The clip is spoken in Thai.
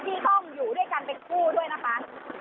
ที่ต้องอยู่ด้วยกันเป็นคู่ด้วยนะคะ